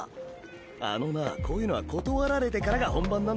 あのなこういうのは断られてからが本番なんだよ。